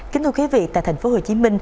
kính thưa quý vị tại tp hcm